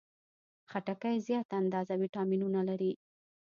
خټکی زیاته اندازه ویټامینونه لري.